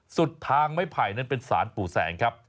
สุดทางไม้ไผ่นั้นเป็นสารปู่แสงครับ